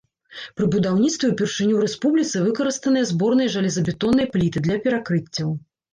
Пры будаўніцтве ўпершыню ў рэспубліцы выкарыстаныя зборныя жалезабетонныя пліты для перакрыццяў.